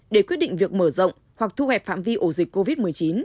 để quyết định việc mở rộng hoặc thu hẹp phạm vi ổ dịch covid một mươi chín